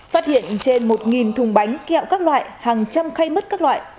phát hiện trên một thùng bánh kẹo các loại hàng trăm khay mứt các loại